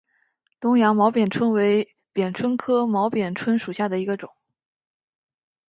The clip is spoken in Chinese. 东洋毛扁蝽为扁蝽科毛扁蝽属下的一个种。